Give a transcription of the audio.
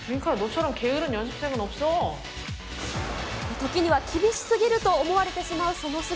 時には厳しすぎると思われてしまうその姿。